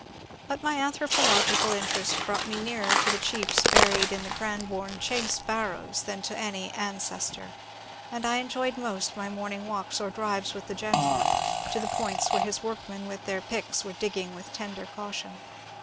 But my anthropological interest brought me nearer to the chiefs buried in the Cranbome Chase barrows than to any an cestor, and I enjoyed most my morning walks or drives with the general to the points where his workmen with their picks were digging with tender caution.